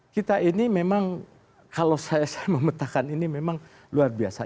kita ini memang kalau saya memetakan ini memang luar biasa